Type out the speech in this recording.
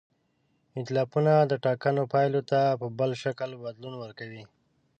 ایتلافونه د ټاکنو پایلو ته په بل شکل بدلون ورکوي.